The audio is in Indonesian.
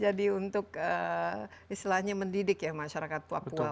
jadi untuk istilahnya mendidik masyarakat papua